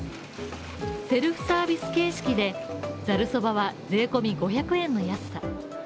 セルフサービス形式でざるそばは税込５００円の安さ。